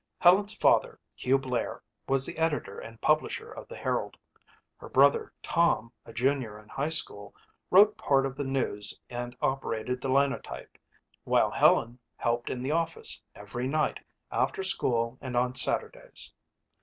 Helen's father, Hugh Blair, was the editor and publisher of the Herald. Her brother, Tom, a junior in high school, wrote part of the news and operated the Linotype, while Helen helped in the office every night after school and on Saturdays.